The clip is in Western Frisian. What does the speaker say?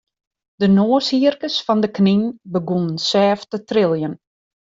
De noashierkes fan de knyn begûnen sêft te triljen.